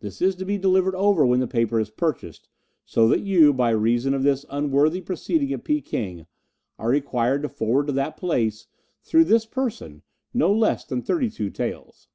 This is to be delivered over when the paper is purchased, so that you, by reason of this unworthy proceeding at Peking, are required to forward to that place, through this person, no less than thirty two taels."